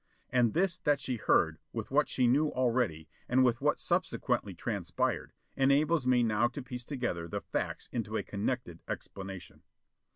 And this that she heard, with what she knew already, and with what subsequently transpired, enables me now to piece together the facts into a connected explanation.